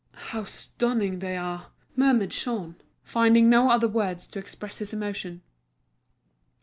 "How stunning they are!" murmured Jean, finding no other words to express his emotion.